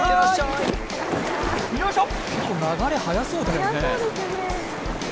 結構、流れ速そうだよね。